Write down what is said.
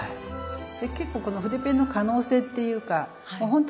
で結構この筆ペンの可能性っていうかまあ